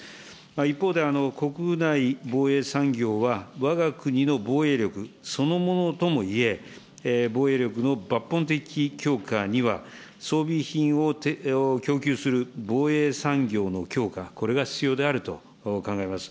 一方で、国内防衛産業は、わが国の防衛力そのものとも言え、防衛力の抜本的強化には、装備品を供給する防衛産業の強化、これが必要であると考えます。